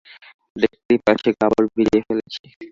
দেখতেই পাচ্ছ, কাপড় ভিজিয়ে ফেলেছি।